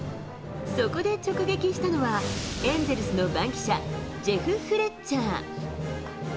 そこで直撃したのは、エンゼルスの番記者、ジェフ・フレッチャー。